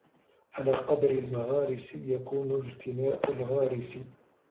عَلَى قَدْرِ الْمَغَارِسِ يَكُونُ اجْتِنَاءُ الْغَارِسِ